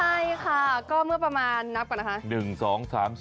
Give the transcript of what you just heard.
ใช่ค่ะก็เมื่อประมาณนับก่อนนะคะ